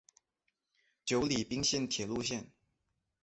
久里滨线的铁路线。